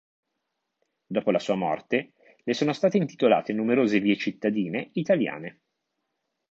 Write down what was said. Dopo la sua morte le sono state intitolate numerose vie cittadine italiane.